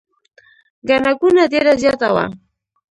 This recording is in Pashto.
ګڼه ګوڼه ډېره زیاته وه.